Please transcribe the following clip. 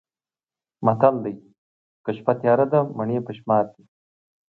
متل دی: که شپه تیاره ده مڼې په شمار دي.